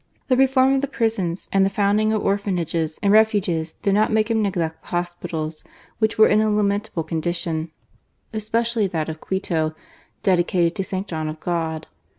The reform of the prisons and the founding of orphanages and refuges did not make him neglect the hospitals, which were in a lamentable condition, especially that of Quito, dedicated to St. John of God.